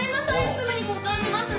すぐに交換しますね。